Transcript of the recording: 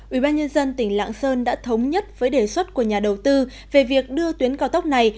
ubnd tỉnh lạng sơn đã thống nhất với đề xuất của nhà đầu tư về việc đưa tuyến cao tốc này